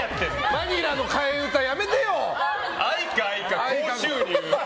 バニラの替え歌やめてよ。